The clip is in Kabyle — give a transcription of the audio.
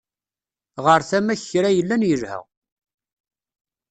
Ɣer tama-k kra yellan yelha.